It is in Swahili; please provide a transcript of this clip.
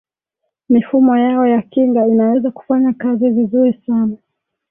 mifumo yao ya kinga inaweza kufanya kazi vizuri sana